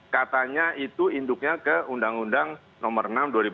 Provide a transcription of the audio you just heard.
katanya itu induknya ke undang undang nomor enam dua ribu empat